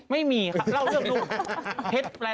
ไม่มีครับเล่าเรื่องรุ่น